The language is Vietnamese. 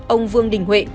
ông vương đình huệ